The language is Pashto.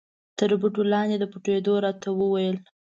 تر بوټو لاندې د پټېدو را ته و ویل.